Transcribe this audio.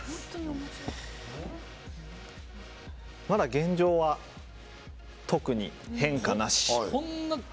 まだ、現状は特に変化なし。